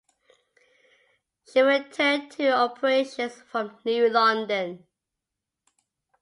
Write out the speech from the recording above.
She returned to operations from New London.